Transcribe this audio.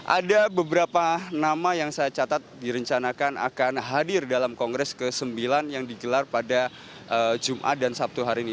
ada beberapa nama yang saya catat direncanakan akan hadir dalam kongres ke sembilan yang digelar pada jumat dan sabtu hari ini